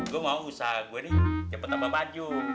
gua mau usaha gua nih cepet tambah baju